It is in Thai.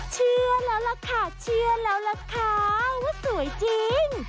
เชื่อแล้วล่ะค่ะเชื่อแล้วล่ะค่ะว่าสวยจริง